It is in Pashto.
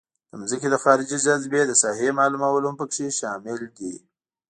د ځمکې د خارجي جاذبې د ساحې معلومول هم پکې شامل دي